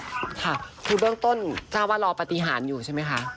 ค่ะคือเบื้องต้นทราบว่ารอปฏิหารอยู่ใช่ไหมคะ